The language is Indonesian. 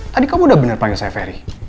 tadi kamu udah bener panggil saya ferry